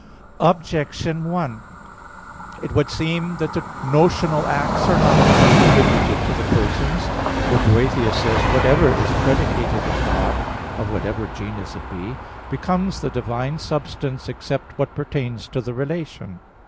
Objection 1: It would seem that the notional acts are not to be attributed to the persons. For Boethius says (De Trin.): "Whatever is predicated of God, of whatever genus it be, becomes the divine substance, except what pertains to the relation."